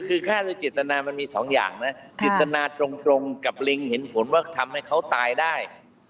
คือฆ่าโดยเจตนามันมีสองอย่างนะจิตนาตรงกับลิงเห็นผลว่าทำให้เขาตายได้